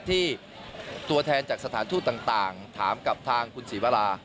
ที่ตัวแทนจากสถานทูตต่างถามกับทางคุณศรีวรา